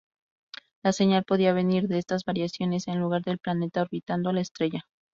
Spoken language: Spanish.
La señal podía venir de estas variaciones en lugar del planeta orbitando la estrella.